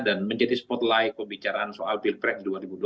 dan menjadi spotlight pembicaraan soal pilprek dua ribu dua puluh empat